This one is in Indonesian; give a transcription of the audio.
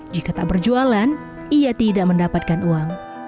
jika tak berjualan ia tidak mendapatkan uang